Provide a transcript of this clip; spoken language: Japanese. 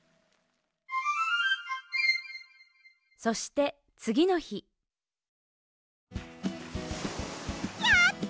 そしてつぎのひやった！